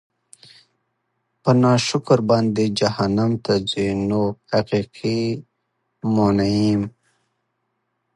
په ناشکر باندي جهنّم ته ځي؛ نو د حقيقي مُنعِم